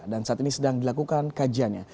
dan saat ini sedang dilakukan kajiannya